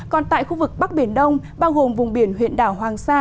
còn tại khu vực bắc biển đông bao gồm vùng biển huyện đảo hoàng sa